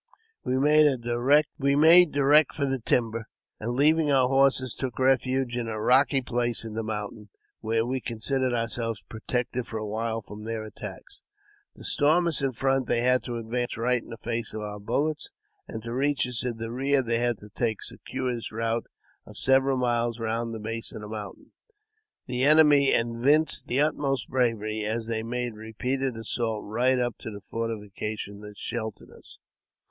We made direct for the timber, and, leaving our horses, took refuge in a rocky place in the mountain, where we considered om selves protected for a while from their attacks. To storm I JAMES P. BECKWOUBTH. 163 us in front they had to advance right in the face of our bullets, and to reach us in the rear they had to take a circuitous route of several miles round the base of the mountain. The enemy evinced the utmost bravery, as they made repeated assaults right up to the fortification that sheltered us.